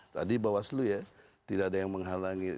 tadi bawaslu ya tidak ada yang menghalangi